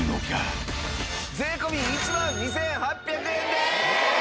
税込１万２８００円です！